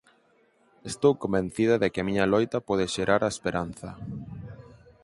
Estou convencida de que a miña loita pode xerar a esperanza".